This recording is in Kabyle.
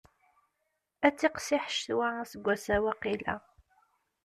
Ad tiqsiḥ ccetwa aseggas-a waqila.